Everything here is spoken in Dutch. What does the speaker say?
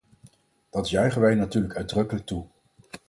Dat juichen wij natuurlijk uitdrukkelijk toe.